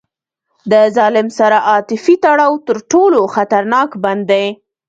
له ظالم سره عاطفي تړاو تر ټولو خطرناک بند دی.